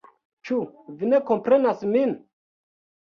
Ĉu vi ne komprenas min?